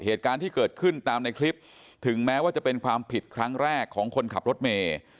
เหตุการณ์ที่เกิดขึ้นตามในคลิปถึงแม้ว่าจะเป็นความผิดครั้งแรกของคนขับรถเมย์